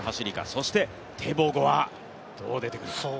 そしてテボゴはどう出てくるか。